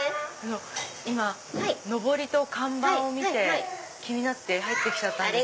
今のぼりと看板を見て気になって入ってきたんです。